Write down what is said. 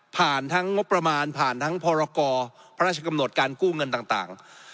ทั้งงบประมาณผ่านทั้งพรกรพระราชกำหนดการกู้เงินต่าง